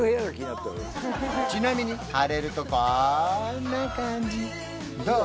ちなみに晴れるとこんな感じどう？